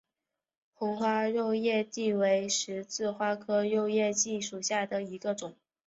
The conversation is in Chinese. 红花肉叶荠为十字花科肉叶荠属下的一个种。